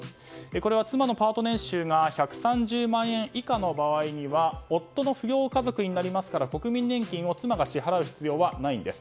これは妻のパート年収が１３０万円以下の場合には夫の扶養家族になりますから国民年金を妻が支払う必要はないんです。